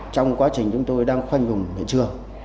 trong quá trình chúng tôi đang khoanh vùng hiện trường